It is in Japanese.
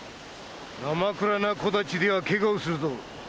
なまくらな小太刀では怪我をするぞ。